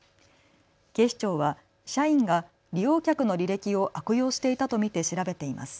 警視庁は社員が利用客の履歴を悪用していたと見て調べています。